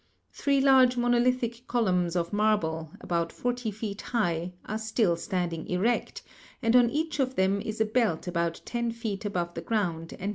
Three large monolithic columns of marble, about 40 feet high, are still standing erect, and on each of them is a belt about 10 feet above the ground and 9 feet wide, Fig.